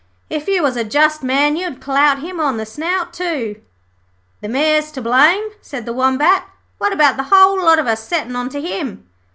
'If you was a just man, you'd clout him on the snout, too.' 'The Mayor's to blame,' said the Wombat. 'What about the whole lot of us settin' on to him?'